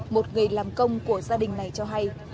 một người làm công của gia đình này cho hay